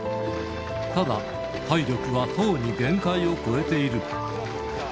ただ、体力はとうに限界を超えている。